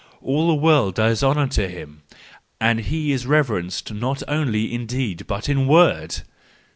All the world does honour to him, and he is reverenced not only in deed but in word